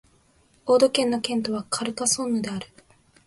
オード県の県都はカルカソンヌである